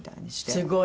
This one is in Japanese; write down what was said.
すごい！